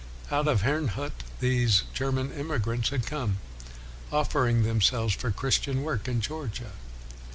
Out of Herrnhut these German emigrants had come, offering themselves for Christian work in Georgia.